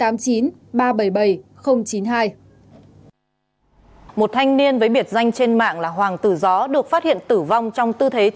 một thanh niên với biệt danh trên mạng là hoàng tử gió được phát hiện tử vong trong tư thế